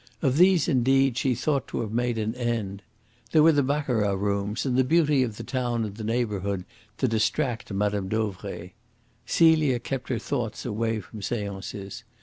Of these, indeed, she thought to have made an end. There were the baccarat rooms, the beauty of the town and the neighbourhood to distract Mme. Dauvray. Celia kept her thoughts away from seances.